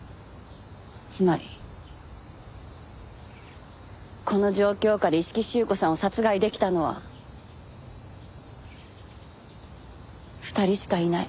つまりこの状況下で一色朱子さんを殺害できたのは２人しかいない。